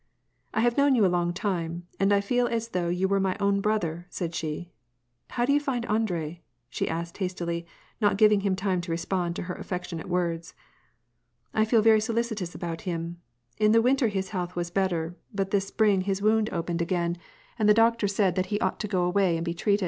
" I have known you a long time, and I feel as though you were my own brother," said she. " How do you find Andrei ?" she asked hastily, not giving him time to respond to her affec tionate words. "I feel very solicitous about him. In the winter his health was better, but this spring his wound opened 124 WAR AND PEACE. again, and the doctor said that he ought to go away and be treated.